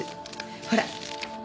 ほら。